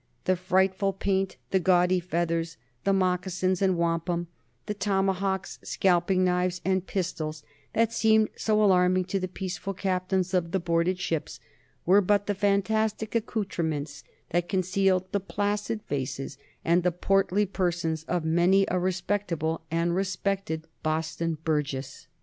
The frightful paint, the gaudy feathers, the moccasins and wampum, the tomahawks, scalping knives, and pistols that seemed so alarming to the peaceful captains of the boarded ships were but the fantastic accoutrements that concealed the placid faces and the portly persons of many a respectable and respected Boston burgess.